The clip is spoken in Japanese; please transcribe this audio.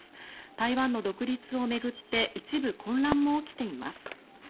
台湾の独立を巡って一部混乱も起きています。